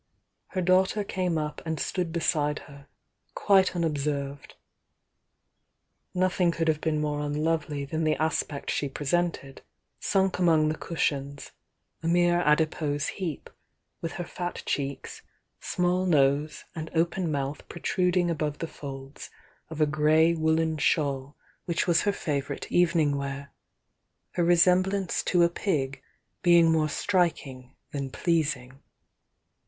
Her daughter came up and stood beside her, quite unobserved. Nothing could have been more unlovely than the aspect she presented, sunk among the cushions, a mere adipose heap, with , her fat cheeks, small nose and open mouth protinid ing above the folds of a grey woollen shawl which THE YOUNG DIANA 57 was her favourite evening wear, her resemblance to a pig being more striking than pleasing.